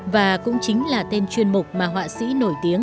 và cũng chính là tên chuyên mục mà họa sĩ nổi tiếng